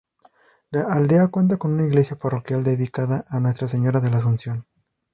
La aldea cuenta con una iglesia parroquial dedicada a Nuestra Señora de la Asunción.